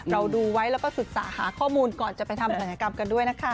เราดูไว้แล้วก็ศึกษาหาข้อมูลก่อนจะไปทำศัลยกรรมกันด้วยนะคะ